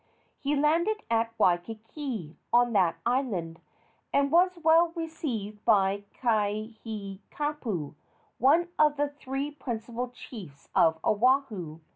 He landed at Waikiki, on that island, and was well received by Kaihikapu, one of the three principal chiefs of Oahu.